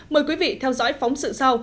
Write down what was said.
mời quý vị theo dõi phóng sự sau